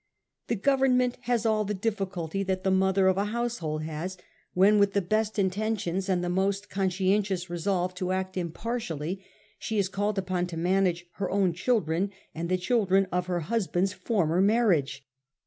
The Government has all the difficulty that the mother of a household has when, with the best intentions and the most conscientious resolve to act impartially, she is called upon to manage her own children and the children of her husband's former marriage.